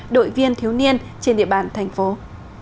đội viên thiếu niên trên địa bàn tp hcm